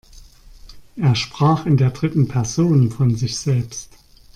Er sprach in der dritten Person von sich selbst.